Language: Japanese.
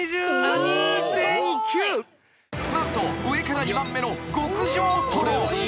［何と上から２番目の極上とろ］